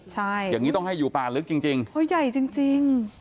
ใช่อย่างนี้ต้องให้อยู่ป่าลึกจริงจริงเพราะใหญ่จริงจริง